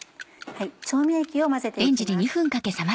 調味液を混ぜて行きます。